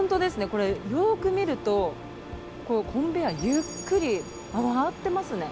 これよく見るとコンベアゆっくり回ってますね。